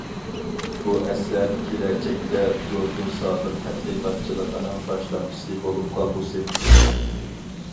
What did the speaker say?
بۇ ئەسەر كېلەچەكتە زوردۇن سابىر تەتقىقاتچىلىقىنىڭ باشلامچىسى بولۇپ قالغۇسى.